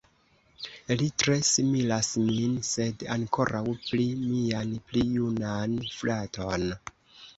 Li tre similas min, sed ankoraŭ pli mian pli junan fraton.